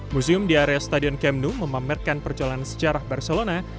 museum di area stadion kemnu memamerkan perjalanan sejarah barcelona